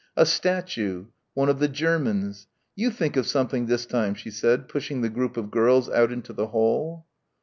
A statue ... one of the Germans. "You think of something this time," she said, pushing the group of girls out into the hall.